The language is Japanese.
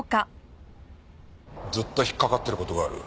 ずっと引っかかってる事がある。